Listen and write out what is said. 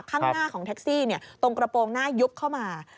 ข้างหน้าของแท็กซี่ตรงกระโปรงหน้ายุบเข้ามา